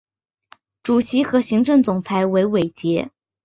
主席和行政总裁为韦杰。